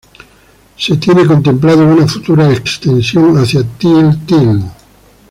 Se tiene contemplado una futura extensión hacia Til Til.